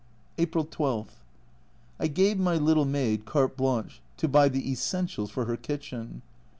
April 12. I gave my little maid carte blanclie to buy the essentials for her kitchen.